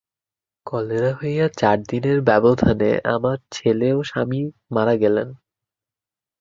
Cholera হইয়া চারি দিনের ব্যবধানে আমার ছেলে ও স্বামী মারা গেলেন।